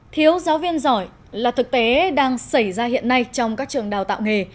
thiếu giáo viên giỏi là thực tế đang xảy ra hiện nay trong các trường đào tạo nghề